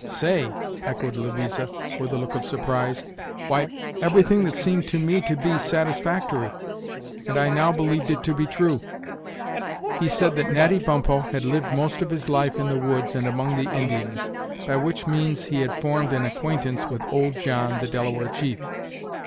"Say!" echoed Louisa, with a look of surprise; "why, everything that seemed to me to be satisfactory, and I now believed it to be true. He said that Natty Bumppo had lived most of his life in the woods and among the Indians, by which means he had formed an acquaintance with old John, the Delaware chief."